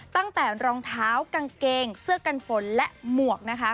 รองเท้ากางเกงเสื้อกันฝนและหมวกนะคะ